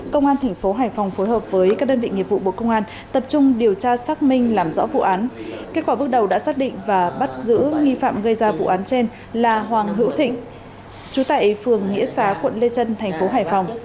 công an thành phố hải phòng phối hợp với các đơn vị nghiệp vụ bộ công an tập trung điều tra xác minh làm rõ vụ án kết quả bước đầu đã xác định và bắt giữ nghi phạm gây ra vụ án trên là hoàng hữu thịnh chú tại phường nghĩa xá quận lê trân thành phố hải phòng